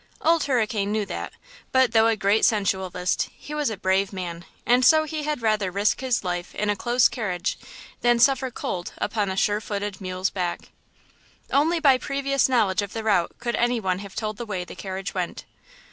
Old Hurricane knew that, but, though a great sensualist, he was a brave man, and so he had rather risk his life in a close carriage than suffer cold upon a sure footed mule's back. Only by previous knowledge of the route could any one have told the way the carriage went.